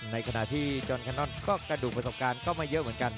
ในขณะที่จอนแคนนอนก็กระดูกประสบการณ์ก็ไม่เยอะเหมือนกัน